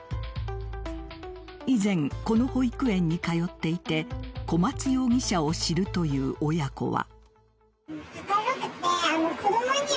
以前、この保育園に通っていて小松容疑者を知るという親子は。